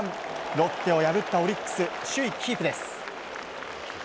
ロッテを破ったオリックス首位キープです。